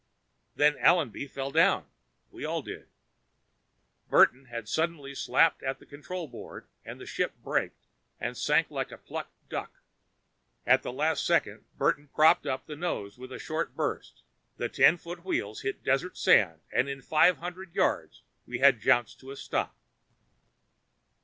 Then Allenby fell down. We all did. Burton had suddenly slapped at the control board, and the ship braked and sank like a plugged duck. At the last second, Burton propped up the nose with a short burst, the ten foot wheels hit desert sand and in five hundred yards we had jounced to a stop.